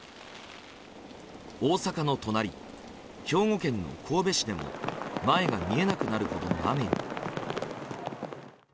大阪の隣、兵庫県の神戸市でも前が見えなくなるほどの雨に。